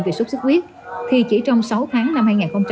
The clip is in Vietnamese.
vì sốt sức huyết thì chỉ trong sáu tháng năm hai nghìn hai mươi hai